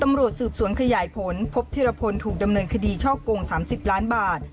ตำรวจสืบสวนขยายผลพบธิรพลถูกดำเนินคดีช่อกง๓๐ล้านบาท